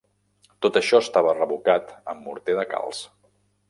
Tot això estava revocat amb morter de calç.